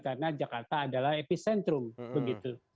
karena jakarta adalah epicentrum begitu